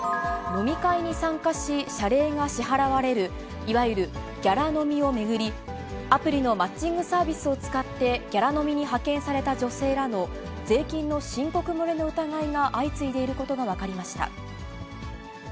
飲み会に参加し謝礼が支払われる、いわゆるギャラ飲みを巡り、アプリのマッチングサービスを使って、ギャラ飲みに派遣された女性らの税金の申告漏れの疑いが相次いでいることが分かりました。